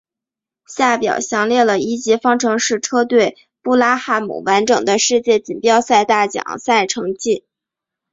下表详列了一级方程式车队布拉汉姆完整的世界锦标赛大奖赛成绩。